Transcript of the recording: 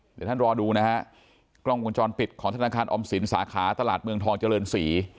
เดี๋ยวท่านรอดูนะฮะกล้องวงจรปิดของธนาคารออมสินสาขาตลาดเมืองทองเจริญศรี